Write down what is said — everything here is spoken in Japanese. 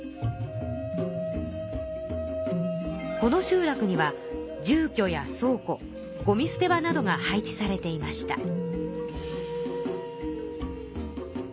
この集落には住居や倉庫ごみ捨て場などが配置されていました。